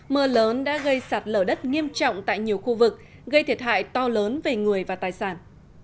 mưa lớn đã gây sạt lở đất nghiêm trọng tại nhiều khu vực gây thiệt hại to lớn về người và tài sản